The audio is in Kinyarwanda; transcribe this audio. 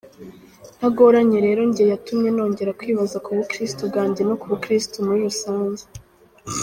Ntagoranye rero nge yatumye nongera kwibaza kubukristu bwange no kubukristu muri rusange.